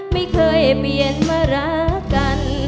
ไม่เคยเปลี่ยนมารักกัน